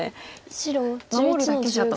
守るだけじゃと。